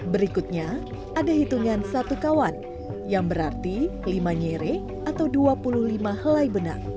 berikutnya ada hitungan satu kawan yang berarti lima nyere atau dua puluh lima helai benang